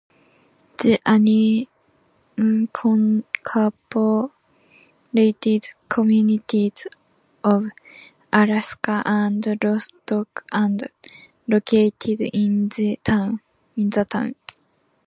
The unincorporated communities of Alaska and Rostok are located in the town.